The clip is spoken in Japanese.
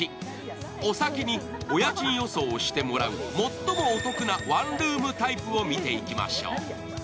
お先にお家賃予想してもらう最もお得なワンルームタイプを見ていきましょう。